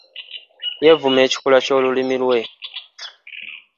Yeevuma ekikula ky’olulimi lwe.